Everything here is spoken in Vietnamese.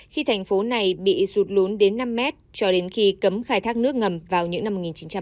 khi thành phố này bị sụt lún đến năm mét cho đến khi cấm khai thác nước ngầm vào những năm một nghìn chín trăm bảy mươi